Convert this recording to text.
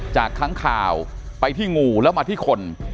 ค้างข่าวไปที่งูแล้วมาที่คน